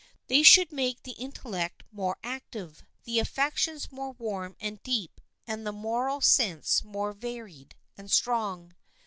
They should make the intellect more active, the affections more warm and deep, and the moral sense more varied and strong.